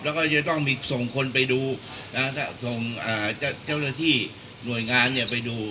แล้วก็จะต้องมีส่งคนไปดูส่งเจ้าหน้าที่หน่วยงานไปดู